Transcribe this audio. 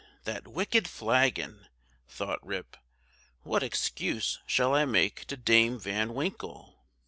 that wicked flagon!" thought Rip "what excuse shall I make to Dame Van Winkle?"